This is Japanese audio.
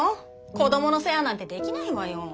子どもの世話なんてできないわよ。